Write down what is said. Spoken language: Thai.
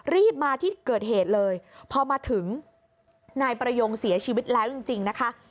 รีบมาที่เกิดเหตุเลยพอมาถึงนายประยงเสียชีวิตแล้วจริงนะคะ